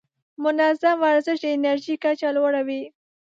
منظم ورزش د انرژۍ کچه لوړه وي.